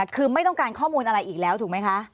คือไม่ต้องการข้อมูลอะไรอีกแล้วถูกไหมคะ